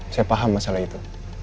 saya paham masalah itu